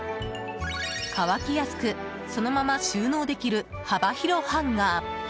乾きやすくそのまま収納できる幅広ハンガー。